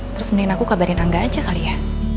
terus mendingin aku kabarin angga aja kali ya